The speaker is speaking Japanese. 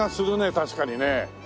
確かにね。